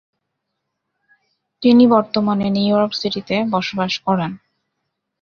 তিনি বর্তমানে নিউইয়র্ক সিটিতে বসবাস করেন।